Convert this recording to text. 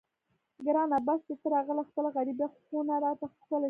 ګرانه بس چې ته راغلې خپله غریبه خونه راته ښکلې شوه.